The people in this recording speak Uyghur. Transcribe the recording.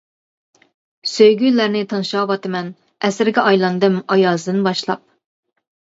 سۆيگۈلەرنى تىڭشاۋاتىمەن، ئەسىرگە ئايلاندىم ئايازدىن باشلاپ.